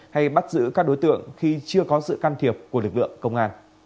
hay bắt giữ các đối tượng khi chưa có sự can thiệp của lực lượng công an